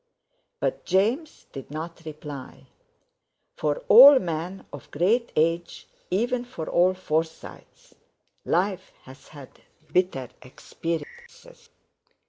But James did not reply. For all men of great age, even for all Forsytes, life has had bitter experiences.